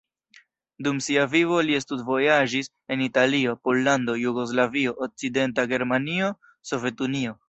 Dum sia vivo li studvojaĝis en Italio, Pollando, Jugoslavio, Okcidenta Germanio, Sovetunio.